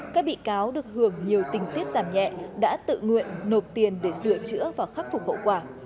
các bị cáo được hưởng nhiều tình tiết giảm nhẹ đã tự nguyện nộp tiền để sửa chữa và khắc phục hậu quả